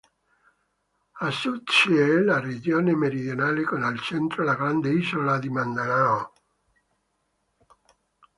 A sud c'è la regione meridionale con al centro la grande isola di Mindanao.